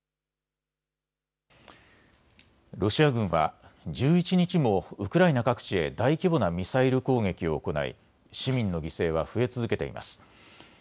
ロシア軍は１１日もウクライナ各地へ大規模なミサイル攻撃を行い市民の犠牲は増え続けています。